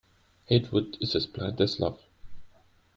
Hatred is as blind as love.